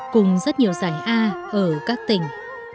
cùng rất nhiều giải a ở các tỉnh